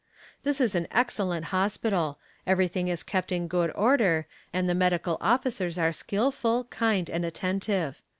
This is an excellent hospital everything is kept in good order, and the medical officers are skillful, kind and attentive."